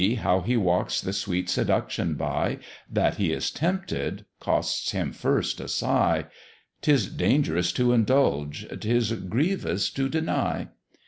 how he walks the sweet seduction by; That he is tempted, costs him first a sigh, 'Tis dangerous to indulge, 'tis grievous to deny!